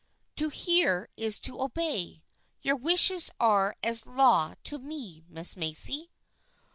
" To hear is to obey. Your wishes are as law to me, Miss Macy."